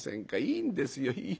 いいんですよ。